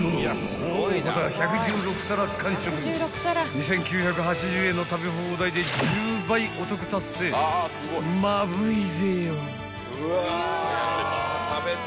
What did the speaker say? ［２，９８０円の食べ放題で１０倍お得達成まぶいぜよ］